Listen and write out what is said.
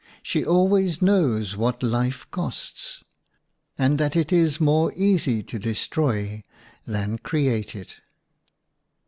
She always knows what life costs ; and that it is more easy to destroy than create it.